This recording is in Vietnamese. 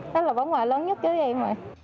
đó là vấn đề lớn nhất chứ gì mà